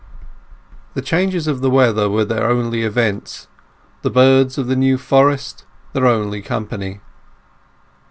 The changes of the weather were their only events, the birds of the New Forest their only company.